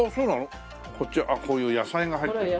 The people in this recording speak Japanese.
こっちはあっこういう野菜が入ってるのか。